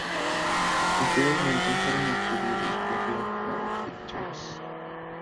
Posteriormente fueron adquiridos por Black Bear Pictures.